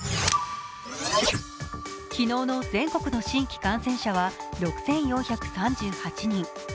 昨日の全国の新規感染者は６４３８人。